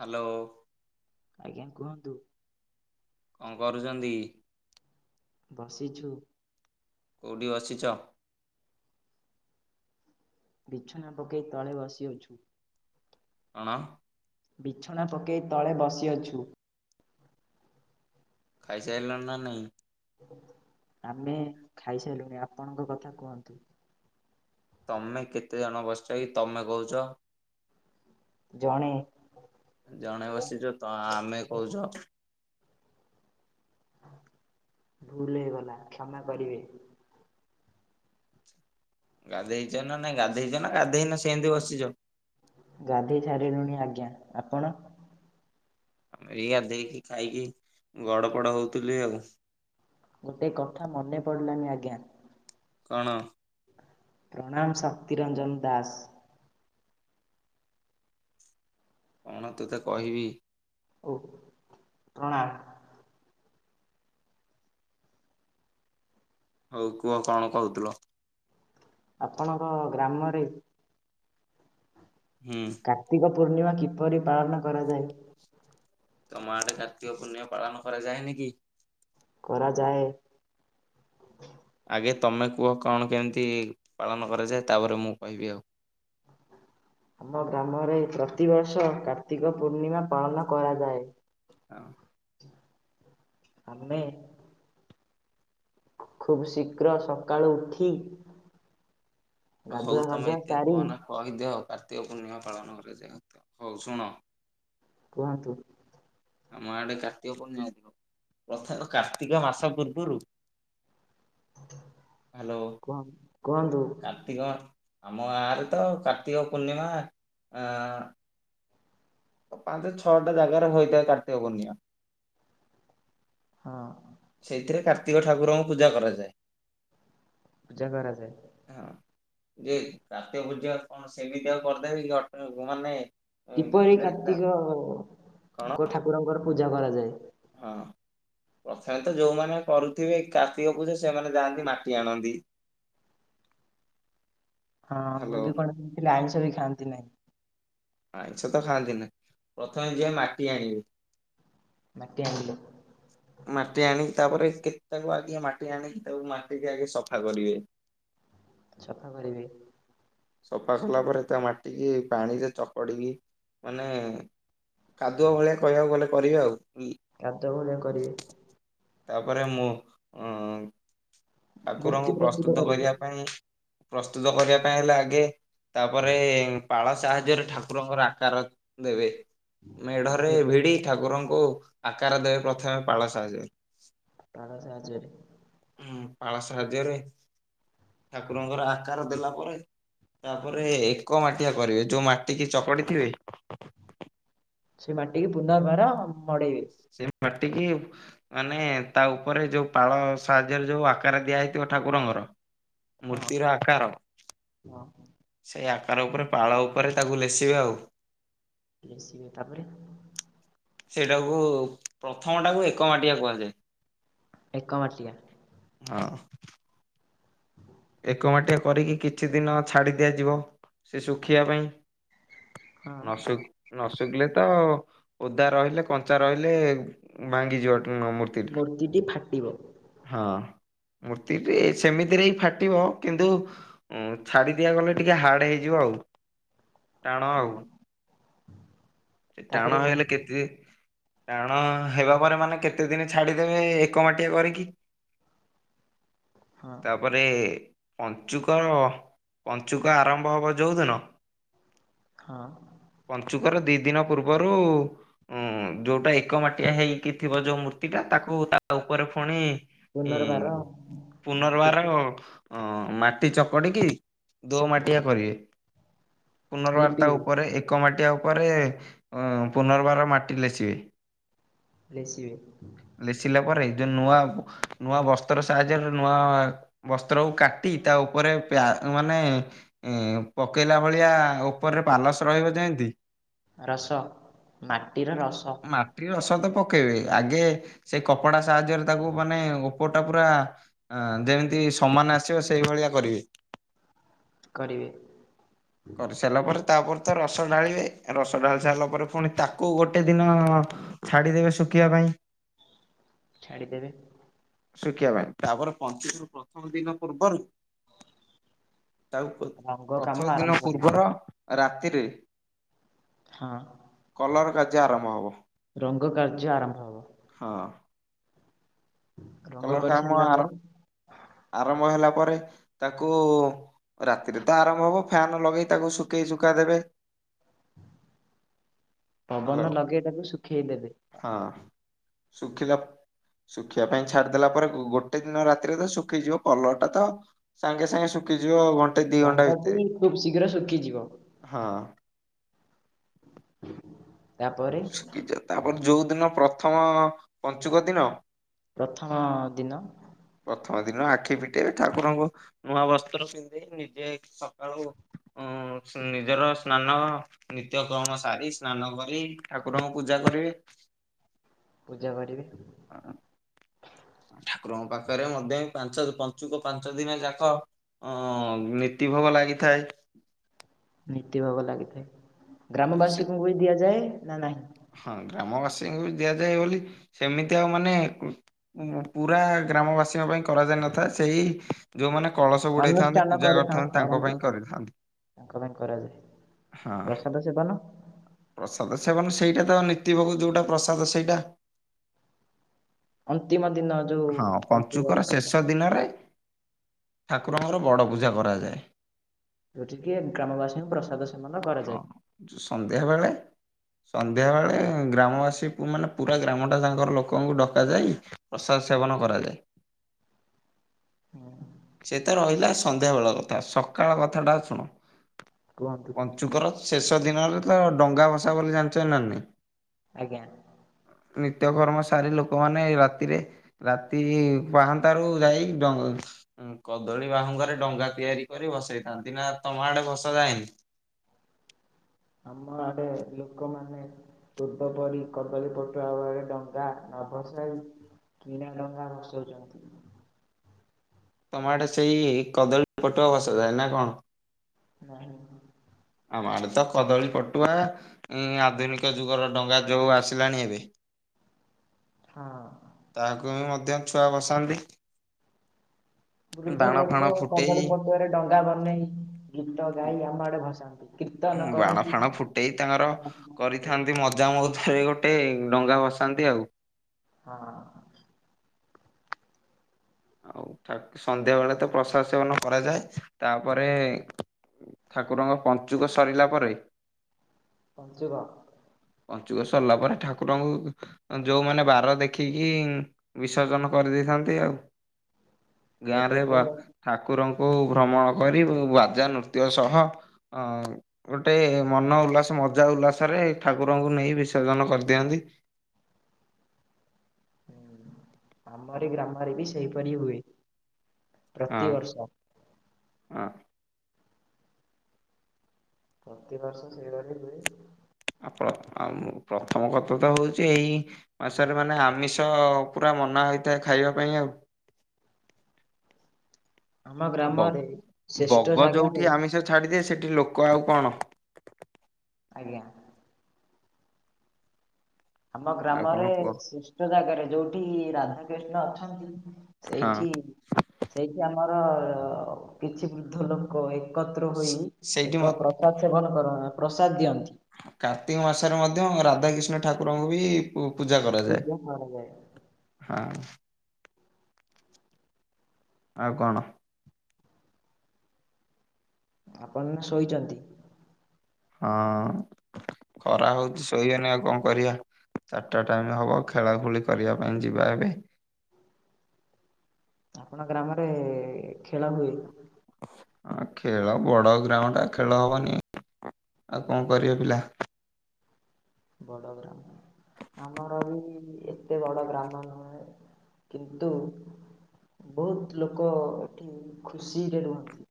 Hello. ଆଜ୍ଞା କୁହନ୍ତୁ। କଣ କରୁଛନ୍ତି? ବସିଛୁ। କୋଉଠି ବସିଚ? ବିଛଣା ପକେଇ ତଳେ ବସିଅଛୁ। କଣ? ବିଛଣା ପକେଇ ତଳେ ବସିଅଛୁ। ଖାଇସାଇଲନି ନା ନାଇଁ? ଆମେ ଖାଇସାଇଲୁଣି ଆପଣଙ୍କ କଥା କୁହନ୍ତୁ? ତମେ କେତେ ଜଣ ବସିଛ କି ତମେ କହୁଛ। ଜଣେ। ଜଣେ ବସିଛ ତ ଆମେ କହୁଛ। ଭୁଲ ହେଇଗଲା କ୍ଷମା କରିବେ। ଗାଧେଇଛ ନା ନାଇ ଗାଧେଇଛ ନା ଗାଧେଇନ ସେମିତି ବସିଛ। ଗାଧେଇ ସାରି ଲୁଣି ଆଜ୍ଞା, ଆପଣ? ଏଇଗାଧେଇ କି ଖାଇକି ଗଡ ପଡ ହଉଥିଲି ଆଉ। ଗୋଟେ କଥା ମନେ ପଡ଼ିଲାନି ଆଜ୍ଞା। କଣ? ପ୍ରଣାମ ଶକ୍ତିରଞ୍ଜନ ଦାସ। କଣ ତତେ କହିବି। ଓ ପ୍ରଣାମ। ହୋଉ କୁହ କଣ କହୁଥିଲ। ଆପଣଙ୍କ ଗ୍ରାମରେ ହୁଁ। କାର୍ତ୍ତିକ ପୂର୍ଣ୍ଣିମା କିପରି ପାଳନ କରାଯାଏ? ତୁମ ଆଡେ କାର୍ତିକ ପୂର୍ଣ୍ଣିମା ପାଳନ କରାଯାଏନିକି? କରାଯାଏ। ଆଗେ ତମେ କୁହ କଣ କେମିତି ପାଳନ କରାଯାଏ ତାପରେ ମୁଁ କହିବି ଆଉ। ଆମ ଗ୍ରାମରେ ପ୍ରତିବର୍ଷ କାର୍ତ୍ତିକ ପୂର୍ଣ୍ଣିମା ପାଳନ କରାଯାଏ। ହଁ। ଆମେ ଖୁବ ଶୀଘ୍ର ସକାଳୁ ଉଠି ହଉ ଗାଧୁଆ ତମେ ପାଧୁଆ ଏତେ ସାରି କୁହନା କହିଦିଅ କାର୍ତ୍ତିକ ପୂର୍ଣ୍ଣିମା ପାଳନ କରାଯାଏ। ହୋଉ ଶୁଣ କୁହନ୍ତୁ। ଆମ ଆଡେ କାର୍ତ୍ତିକ ପୂର୍ଣିମୀ କଥା କାର୍ତ୍ତିକ ମାସ ପୂର୍ବରୁ ହ୍ୟାଲୋ। କୁହ କୁହନ୍ତୁ ତିଗ ଆମ ଗାଁରେ ତ କାର୍ତ୍ତିକ ପୂର୍ଣ୍ଣିମା ଆଁ ପାଞ୍ଚ ଛଅଟା ଜାଗାରେ ହୋଇଥାଏ କାର୍ତ୍ତିକ ପୂଣ୍ଣିମା। ହଁ। ସେଇଥିରେ କାର୍ତ୍ତିକ ଠାକୁରଙ୍କୁ ପୂଜା କରାଯାଏ। ପୂଜା କରାଯାଏ। ହଁ ଯେ କାର୍ତ୍ତିକ ପୂଜା କଣ ସେମିତି ଆଉ କରିଦେବି କି [unintelligible] ମାନେ ହୁଁ। ଏଇ କାର୍ତ୍ତିକ କ ଠାକୁରଙ୍କର ପୂଜା କରାଯାଏ। ହଁ। ପ୍ରଥମେ ତ ଯୋଉମାନେ କରୁଥିବେ କାର୍ତ୍ତିକ ପୂଜା ସେମାନେ ଯାଆନ୍ତି ମାଟି ଆଣନ୍ତି। ହଁ ମୁଁ ହ୍ୟାଲୋ ବି କୁଆଡେ ଶୁଣିଥିଲି ଆଇଁଷ ବି ଖାଆନ୍ତି ନାହିଁ। ଆଇଁଷ ତ ଖାଆନ୍ତିନି। ପ୍ରଥମେ ଯିବେ ମାଟି ଆଣିବେ। ମାଟି ଆଣିିଲେ ମାଟି ଆଣିକି ତାପରେ କେତେ ତାକୁ ଆଗେ ମାଟି ଆଣିକି ତାକୁ ମାଟିିକି ଆଗେ ସଫା କରିବେ। ସଫା କରିବେ। ସଫା କଲା ପରେ ତା ମାଟିକି ପାଣିରେ ଚକଡିକି ମାନେ କାଦୁଆ ଭଳିଆ କହିବାକୁ ଗଲେ କରିବେ ଆଉ। କାଦୁଅ ଭଳିଆ କରିବେ। ତାପରେ ମୁଁ ମୂର୍ତ୍ତି ଠାକୁରଙ୍କୁ ପ୍ରସ୍ତୁତ କରିବେ। କରିବା ପାଇଁ ପ୍ରସ୍ତୁତ କରିବା ପାଇଁ ହେଲେ ଆଗେ ତାପରେ ପାଳ ସାହାଯ୍ୟରେ ଠାକୁରଙ୍କର ଆକାର ଦେବେ ମେଢରେ ଦେବେ ଭିଡି ଠାକୁରଙ୍କୁ ଆକାର ଦେବେ ପ୍ରଥମେ ପାଳ ସାହାର୍ଯ୍ୟ ରେ। ପାଳ ସାହାଯ୍ୟରେ। ହଁ ପାଳ ସାହର୍ଯ୍ୟରେ ଠାକୁରଙ୍କର ଆକାର ଦେଲା ପରେ ତାପରେ ଏକ ମାଟିଆ କରିବେ। ଯୋଉ ମାଟିକି ଚକଡି ଥିବେ ସେଇ ମାଟିିକି ପୁନର୍ବାର ମଡେଇବେ। ସେ ମାଟିକି ମାନେ ତା ଉପରେ ଯୋଉ ପାଳ ସାହାଯ୍ୟରେ ଯୋଉ ଆକାର ଦିଆହେଇଥିବ ଠାକୁରଙ୍କର ହଁ ମୂର୍ତ୍ତିର ଆକାର ହଁ ସେଇ ଆକାର ଉପରେ ପାଳ ଉପରେ ତାକୁ ଲେସିବେ ଆଉ। ଲେଶିବେ ତାପରେ? ସେଇଟାକୁ ପ୍ରଥମ ଟାକୁ ଏକ ମାଟିଆ କୁହାଯାଏ। ଏକ ମାଟିଆ। ହଁ। ଏକ ମାଟିଆ କରିକି କିଛି ଦିନ ଛାଡି ଦିଆଯିବ। ସେ ଶୁଖିବା ପାଇଁ। ହଁ ନସୁଖ ନ ଶୁଖିଲେ ତ ଓଦା ରହିଲେ କଞ୍ଚା ରହିଲେ ଭାଙ୍ଗି ଯିବ ନ ମୂ ମୂର୍ତ୍ତିଟି ଫାଟିବ। ହଁ ମୂର୍ତ୍ତିବି ସେମିତିରେ ହିଁ ଫାଟ ଫାଟିବ କିନ୍ତୁ ଉଁ ଛାଡି ଦିଆ ଗଲେ ଟିକେ ହାର୍ଡ ହେଇଯିବ ଆଉ। ଟାଣ ଆଉ। ହଁ ସେ ଟାଣ ତାପରେ କୁ ହେଇଗଲେ କେତେ ଦେ ଟାଣ ହେବା ପରେ ମାନେ କେତେ ଦିନ ଛାଡିଦେବେ ଏକ ମାଟିଆ କରିକି। ହଁ ତାପରେ ପଞ୍ଚୁକ ପଞ୍ଚୁକ ଆରମ୍ଭ ହବ ଯୋଉଦିନ ହଁ। ପଞ୍ଚୁକର ଦି ଦିନ ପୂର୍ବରୁ ଉଁ ଯୋଉଟା ଏକ ମାଟିଆ ହେଇକି ଥିବ ଯୋଉ ମୂର୍ତ୍ତିଟା ତାକୁ ତା ଉପରେ ଫୁଣି ହଁ ପୁନର୍ବାର ପୁନର୍ବାର ମାଟିକୁ ହଁ ମାଟି ଚକଟିକି ଦୋ ମାଟିଆ କରିବେ। ପୁନର୍ବାର ତା ଲିପିବେ ଉପରେ ଏକ ମାଟିଆ ଉପରେ ହଁ ପୁନର୍ବାର ମାଟି ଲେସିବେ। ଲେସିବେ। ଲେସିଲା ପରେ ଏ ଯୋଉ ନୂଆ ନୂଆ ବସ୍ତ୍ର ସାହାଯ୍ୟରେ ନୂଆ ବସ୍ତ୍ରକୁ କାଟି ତା ଉପରେ ପ୍ୟା ମାନେ ଏ ପକେଇଲା ଭଳିଆ ଉପରରେ ପାଲସ ରହିବ ଯେମତି। ରସ, ମାଟିର ରସ। ମାଟି ରସ ତ ପକେଇବେ, ଆଗେ ସେ କପଡା ସାହାଯ୍ୟରେ ତାକୁ ମାନେ ଓପର ଟା ପୁରା ଯେମିତି ସମାନ ଆସିବ ସେଇଭଳିଆ କରିବେ। କରିବେ କରିସାରିଲା ପରେ ତାପରେ ତ ରସ ଢାଳିବେ। ରସ ଢ଼ାଳି ସାରିଲା ପରେ ପୁଣି ତାକୁ ଗୋଟେ ଦିନ ଛାଡିଦେବେ ଶୁଖିବା ପାଇଁ। [inaudible] ଛାଡ଼ିଦେବେ। ଶୁଖିବା ପାଇଁ ତାପର ପଞ୍ଚୁକରୁ ପ୍ରଥମ ଦିନ ପୂର୍ବରୁ ତାକୁ ରଙ୍ଗ କାମ ପ୍ରଥମ ଆରମ୍ଭ ଦିନ କରିବେ ପୂର୍ବର ରାତିରେ। ହଁ। କଲର କାର୍ଯ୍ୟ ଆରମ୍ଭ ହବ ରଙ୍ଗ କାର୍ଯ୍ୟ ଆରମ୍ଭ ହବ ହଁ। ରଙ୍ଗ କଲର କାମ କରିସାରିଲା ପରେ ଆରମ୍ ଆରମ୍ଭ ହେଲା ପରେ ତାକୁ। ରାତିରେ ତ ଆରମ୍ଭ ହବ ଫ୍ୟାନ ଲଗେଇ ତାକୁ ଶୁଖେଇ ଶୁଖା ଦେବେ। ପବନ ହ୍ୟାଲୋ ଲଗେଇ ତାକୁ ଶୁଖେଇ ଦେବେ। ହଁ। ଶୁଖିଲା ଶୁଖିବା ପାଇଁ। ଛାଡିଦେଲା ପରେ ଗୋଟେ ଦିନ ରାତିରେ ତ ଶୁଖିଯିବ କଲର୍ଟା ତ ସାଙ୍ଗେ ସାଙ୍ଗେ ଶୁଖିଯିବ ଘଟ ରଙ୍ଗଟି ଖୁବ ଶୀଘ୍ର ଶୁଖିଯିବ। ହଁ। ତାପରେ ତାପରେ ଯୋଉ ଦିନ ପ୍ରଥମ ପଞ୍ଚୁକ ଦିନ। ପ୍ରଥମ ଦିନ। ପ୍ରଥମ ଦିନ ଆଖି ପିଟେଇ ଠାକୁରଙ୍କ ନୂଆ ବସ୍ତ୍ର ପିନ୍ଧି ନିଜେ ସକାଳୁ ଉ ନିଜର ସ୍ନାନ ନିତ୍ୟ କର୍ମ ସାରି ସ୍ନାନ କରି। ଠାକୁରଙ୍କୁ ପୂଜା କରିବେ। ପୂଜା କରିବେ। ହଁ। ଠାକୁରଙ୍କ ପାଖରେ ମଧ୍ୟ ପାଞ୍ଚ ପଞ୍ଚୁକ ପାଞ୍ଚ ଦିନ ଯାକ। ହ ନୀତି ଭୋଗ ଲାଗିଥାଏ। ନୀତି ଭାବ ଲାଗିଥାଏ ଆଉ ସେ ଗ୍ରାମବାସୀଙ୍କୁ ବି ଦିଆଯାଏ ନା ନାହିଁ। ହଁ ଗ୍ରାମବାସୀଙ୍କୁ ବି ଦିଆଯାଏ ବୋଲି ସେମିତି ଆଉ ମାନେ ପୁରା ଗ୍ରାମବାସୀଙ୍କ ପାଇଁ କରାଯାଇ ନଥାଏ ସେହି ଯୋଉମାନେ କଳସ ବୁଡେଇଥାନ୍ତି ଅନୁଷ୍ଠାନ ପୂଜା କରୁଥାଉ କରିଥାନ୍ତି ତାଙ୍କ କରନ୍ତି ପାଇଁ କରିଥାନ୍ତି। ତାଙ୍କ ପାଇଁ କରାଯାଏ ହଁ। ପ୍ରସାଦ ସେବନ। ପ୍ରସାଦ ସେବନ ସେଇଟା ତ ନୀତି ଭୋଗ ଯୋଉଟା ପ୍ରସାଦ ସେଇଟା। ଅନ୍ତିମ ଦିନ ଯୋଉ ହଁ ପଞ୍ଚୁକର ପଞ୍ଚିବର। ଶେଷ ଦିନରେ ଠାକୁରଙ୍କର ବଡ଼ ପୂଜା କରାଯାଏ। ଯେଉଁଠିକି ଗ୍ରାମବାସୀଙ୍କୁ ପ୍ରସାଦ ସେବନ କରାଯାଏ। ସନ୍ଧ୍ୟାବେେଳେ ସନ୍ଧ୍ୟା ବେଳେ ଗ୍ରାମବାସୀ କୁ ପୁରା ଗ୍ରାମ ଟା ସାଙ୍କର ଲୋକଙ୍କୁ ଡକା ଯାଇ ପ୍ରସାଦ ସେବନ କରାଯାଏ। ସେ ତ ରହିଲା ସନ୍ଧ୍ୟା ବେଳ କଥା ସ ସକାଳ କଥାଟା ଶୁଣ। କୁହନ୍ତୁ। ଞ୍ଚୁକର ଶେଷ ଦିନରେ ତ ଡଙ୍ଗା ଭସା ବୋଲି ଜାଣିଛନ୍ତି ନା ନାଇ। ଆଜ୍ଞା। ନିତ୍ୟକର୍ମ ସାରି ଲୋକମାନେ ଏ ରାତିରେ ରାତି ପାହାନ୍ନ୍ତା ରୁ ଯାଇ ଡଙ୍ଗା କଦଳୀ ବାହୁଙ୍ଗାରେ ଡଙ୍ଗା ତିଆରି କରି ଭସେଇଥାନ୍ତି ନା ତମ ଆଡେ ଭସା ଯାଏନି। ଆମ ଆଡେ ଲୋକ ମାନେ ଦୁଦ ପରି କଦଳୀ ପଟୁଆ ଭଳି ଡଙ୍ଗା ନଭସାଇ କିଣା ଡଙ୍ଗା ଭସଉଚନ୍ତି। ତମ ଆଡେ ସେଇ କଦଳୀ ପଟୁଆ ଭସାଯାଏ ନା କଣ। ନାଇଁ। ଆମ ଆଡେ ତ କଦଳୀ ପଟୁଆ ଆଧୁନିକ ଯୁଗର ଡଙ୍ଗା ଯୋଉୁ ଆସିଲାଣି ଏବେ। ହଁ। ତାହାକୁ ବି ମଧ୍ୟ ଛୁଆ ଭସାନ୍ତି। ବୃଦ୍ଧ ଫାଣ ଲୋକ ଫୁଟେଇ କଦଳୀ ପଟୁଆରେ ଡଙ୍ଗା ବନେଇ ଗୀତ ଗାଇ ଆମ ଆଡେ ଭସାନ୍ତି। କୀର୍ତ୍ତନ ବାଣ କରନ୍ତି ଫାଣ ଫୁଟେଇ ତାଙ୍କର ହଁ କରିଥାନ୍ତି ମ ମଜା ମୁଥାରେ ଗୋଟେ ଡଙ୍ଗା ଭସାନ୍ତି ଆଉ। ହଁ। ଆଉ ସନ୍ଧ୍ୟା ବେଳେ ତ ପ୍ରସାଦ ସେବନ କରାଯାଏ ତାପରେ ଠାକୁରଙ୍କ ପଞ୍ଚୁକ ସରିଲା ପରେ। ପଞ୍ଚୁକ। ପଞ୍ଚୁକ ସରିଲା ପରେ ଠାକୁରଙ୍କୁ ଯୋଉଁମାନେ ବାର ଦେଖିକି ବିସର୍ଜନ କରିଦେଇଥାନ୍ତି ଆଉ। ଗାଁ ଏବେ ରେ ବା ତ ଠାକୁରଙ୍କୁ ଭ୍ରମଣ କରିବୁ ବାଜା ନୃତ୍ୟ ସହ ଆଉ। ଗୋଟେ ମନ ଉଲ୍ଲାସ ମଜା ଉଲ୍ଲାସରେ ଠାକୁରଙ୍କୁ ନେଇ ବିସର୍ଜନ କରିଦିଅନ୍ତି। ଆମରି ଗ୍ରାମରେ ବି ସେଇପରି ହୁଏ ହଁ ପ୍ରତିିବର୍ଷ। ହଁ। ପ୍ରତିିବର୍ଷ ସେଇଭଳି ହୁଏ। ଆପ ପ୍ରଥମ କଥା ତ ହଉଚି ଏଇ ଅ ସାରେ ମାନେ ଆମିଷ ପୁରା ମନା ହେଇଥାଏ ଖାଇବା ପାଇଁ ଆଉ। ଆମ ବ ଗ୍ରାମରେ ଶ୍ରେଷ୍ଠ ବଗ ଜାଗାରେ ଯୋଉଠି ଆମିଷ ଛାଡ଼ିଦିଏ ସେଠି ଲୋକ ଆଉ କଣ। ଆଜ୍ଞା। ଆମ ଆଉ ଗ୍ରାମରେ କଣ କୁହ ଶ୍ରେଷ୍ଠ ଜାଗାରେ ଯୋଉଠି ରାଧା କୃିଷ୍ଣ ଅଛନ୍ତି। ହଁ। ସେଇଠି ସେଇଠି ଆମର କିଛି ବୃଦ୍ଧ ଲୋକ କ ଏକତ୍ର ହୋଇ ସେଇଠି ମ ଏକ ପ୍ରସାଦ ସେବନ କର ପ୍ରସାଦ ଦିଅନ୍ତି। କାର୍ତ୍ତିକ ମାସରେ ମଧ୍ୟ ରାଧାକୀଷ୍ଣ ଠାକୁରଙ୍କୁ ବି ପୂ-ପୂଜା କରାଯାଏ। ପୂଜା କରାଯାଏ। ହଁ। ଆଉ କଣ? ଆପଣ ଏଇନା ଶୋଇଚନ୍ତି? ହଁ ଖରା ହଉଛି ଶୋଇବାନି ଆଉ କଣ କରିବା? ଚାଟା ଟାଇମ୍ ହବ ଖେଳା ଖୁଳି କରିବା ପାଇଁ ଯିବା ଏବେ। ଆପଣ ଗ୍ରାମରେ ଖେଳ ହୁଏ? ହଁ ଖେଳ ବଡ ଗ୍ରାମ ଟା ଖେଳ ହବନି ଆଉ କଣ କରିବେ ପିଲା। ବଡ ଗ୍ରାମ। ଆମର ବି ଏତେ ବଡ଼ ଗ୍ରାମ ନୁହେଁ, କିନ୍ତୁ ବହୁତ ଲୋକ ଏଠି ଖୁସିରେ ରୁହନ୍ତି।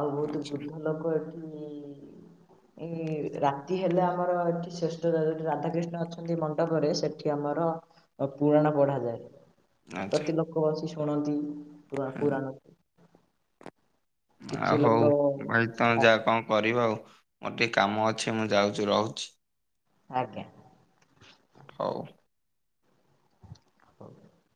ଆଉ ବହୁତ ଆଚ୍ଛା ବୃଦ୍ଧ ଲୋକ ଏଠି ଏଇ ରାତି ହେଲେ ଆମର ଏଠି ଶ୍ରେଷ୍ଠ ଯ-ଯୋଉଠି ରାଧାକ୍ରିଷ୍ଣ ଅଛନ୍ତି ମଣ୍ଡପରେ ସେଠି ଆମର ଓ ପୁରାଣ ପଢାଯାଏ। ଆଚ୍ଛା ପ୍ରତି ଲୋକ ବସି ଶୁଣନ୍ତି ପୁରା ହୁଁ ପୁରାଣ। ଆ କିଛି ହଉ ଲୋକ ଭାଇ ତୋମେ ଆ ଯା କଣ କରିବ ଆଉ। ମୋର ଟିକେ କାମ ଅଛି, ମୁଁ ଯାଉଚୁ, ରହୁଛି। ଆଜ୍ଞା। ହଉ। ହଉ।